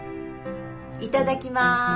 いただきます。